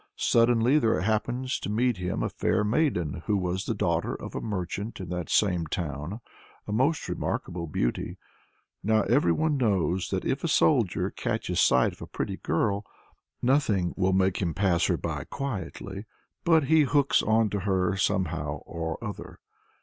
Suddenly there happens to meet him a fair maiden who was the daughter of a merchant in that same town; a most remarkable beauty. Now everyone knows that if a soldier catches sight of a pretty girl, nothing will make him pass her by quietly, but he hooks on to her somehow or other.